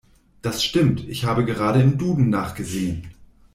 Das stimmt, ich habe gerade im Duden nachgesehen.